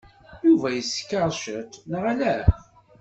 Yuba yeskeṛ ciṭ, neɣ ala?